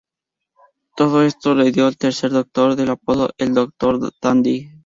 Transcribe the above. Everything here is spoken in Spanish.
Todo esto le dio al Tercer Doctor el apodo de "El Doctor Dandy".